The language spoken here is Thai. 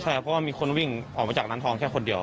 ใช่ครับเพราะว่ามีคนวิ่งออกมาจากร้านทองแค่คนเดียว